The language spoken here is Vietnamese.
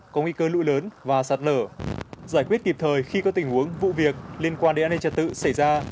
có nguy cơ lũ lớn và sạt lở giải quyết kịp thời khi có tình huống vụ việc liên quan đến an ninh trật tự xảy ra